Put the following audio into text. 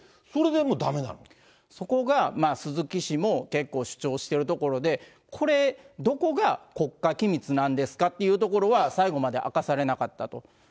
って、そこが鈴木氏も結構主張しているところで、これ、どこが国家機密なんですかっていうところは、最後まで明かされなかったと。